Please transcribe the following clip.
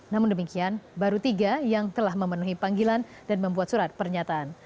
namun demikian baru tiga yang telah memenuhi panggilan dan membuat surat pernyataan